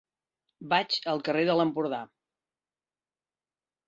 Vaig al carrer de l'Empordà.